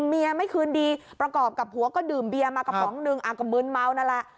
เมียไม่คืนดีประกอบกับผัวก็ดื่มเบียร์มากระป๋องหนึ่งก็มืนเมานั่นแหละ